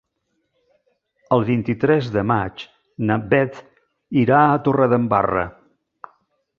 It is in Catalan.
El vint-i-tres de maig na Beth irà a Torredembarra.